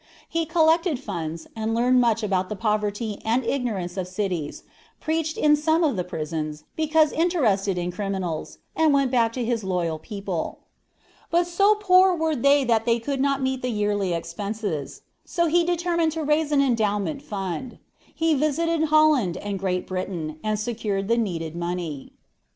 He collected funds, learned much about the poverty and ignorance of cities, preached in some of the prisons, because interested in criminals, and went back to his loyal people. But so poor were they that they could not meet the yearly expenses, so he determined to raise an endowment fund. He visited Holland and Great Britain, and secured the needed money.